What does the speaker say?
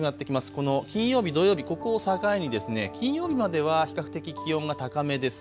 この金曜日、土曜日ここを境に金曜日までは比較的気温が高めです。